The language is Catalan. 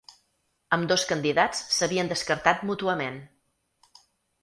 Ambdós candidats s’havien descartat mútuament.